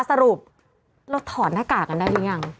สรุปเราถอดหน้ากากกันได้หรือยัง